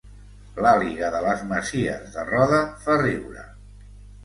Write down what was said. L'àliga de les Masies de Roda fa riure